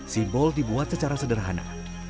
simbol dibuat secara sederhana